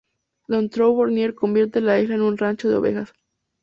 Dutrou-Bornier convierte la isla en un rancho de ovejas.